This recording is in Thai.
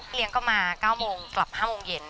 เลี้ยงก็มา๙โมงกลับ๕โมงเย็น